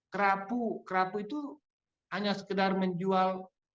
kerapu kerapu itu hanya sekedar menjual